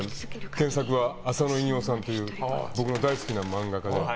原作は浅野いにおさんという僕の大好きな漫画家で。